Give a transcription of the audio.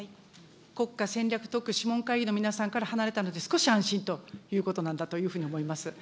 国家戦略特区諮問会議の皆さんから離れたので少し安心ということなんだというふうに思います。